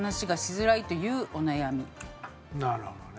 なるほどね。